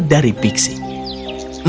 pangeran tiba tiba menjawab